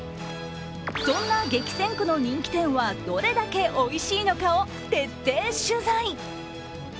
そんな激戦区の人気店はどれだけおいしいのかを徹底取材。